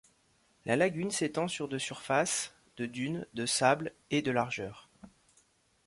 La lagune s’étend sur de surface, de dunes de sable et de largeur.